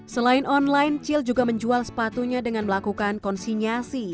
selain online cil juga menjual sepatunya dengan melakukan konsinyasi